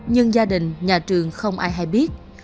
nhưng gia đình nhà trường không ai hay biết